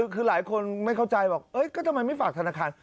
คือหลายคนไม่เข้าใจบอกก็ทำไมไม่ฝากธนาคาร